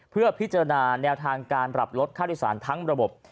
เพื่อพิจารณาแนวทางการปรับลดค่าโดยสารทั้งระบบ